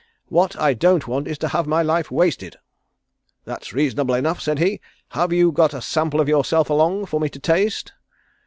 What I don't want is to have my life wasted!' 'That's reasonable enough,' said he. 'Have you got a sample of yourself along for me to taste?'